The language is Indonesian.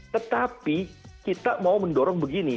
tetapi kita mau mendorong begini